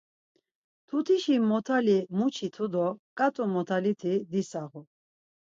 Mtutişi motali muçitu do ǩat̆u motaliti disağu.